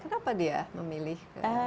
kenapa dia memilih